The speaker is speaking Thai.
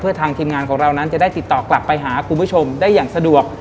ทางทีมงานของเรานั้นจะได้ติดต่อกลับไปหาคุณผู้ชมได้อย่างสะดวก